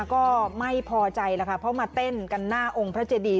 ก็ไม่พอใจแล้วค่ะเพราะมาเต้นกันหน้าองค์พระเจดี